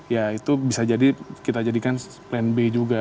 ya itu bisa jadi kita jadikan plan b juga